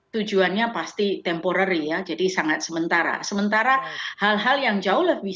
tujuannya pasti temporary ya jadi sangat sementara sementara hal hal yang jauh lebih